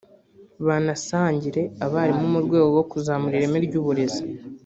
banasangire abarimu mu rwego rwo kuzamura ireme ry’ uburezi